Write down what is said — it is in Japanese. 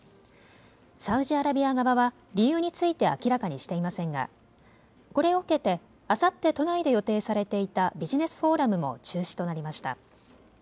サウジアラビア側は理由について明らかにしていませんがこれを受けてあさって都内で予定されていたビジネスフォーラムも中止となりました。